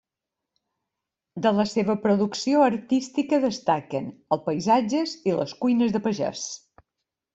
De la seva producció artística destaquen els paisatges i les cuines de pagès.